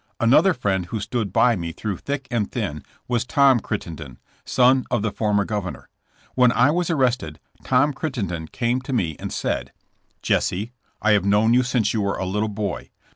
Another friand who st©od by Bie through thitk and tkim was Tom Crittenden, son oi the former governor. When I was aja!wrt;«(d T<Htt Chittenden eame to me and said : '^3^6sse, I have knows you since you W6»c a little haj.